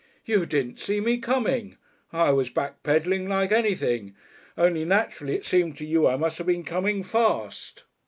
You didn't see me coming. I was back pedalling like anything. Only naturally it seems to you I must have been coming fast.